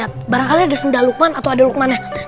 lihat barangkali ada sendal lukman atau ada lukman nya